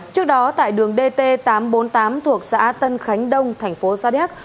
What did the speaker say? trước đó tại đường dt tám trăm bốn mươi tám thuộc xã tân khánh đông thành phố sa điếc